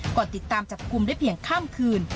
ติดตามจับกลุ่มได้เพียงข้ามคืน